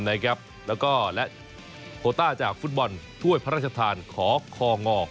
แล้วก็และโคต้าจากฟุตบอลถ้วยพระราชทานขอคง